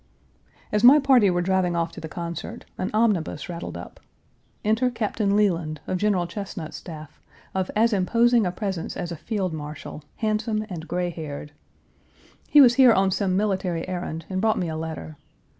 As my party were driving off to the concert, an omnibus rattled up. Enter Captain Leland, of General Chesnut's staff, of as imposing a presence as a field marshal, handsome and gray haired. He was here on some military errand and brought me a letter.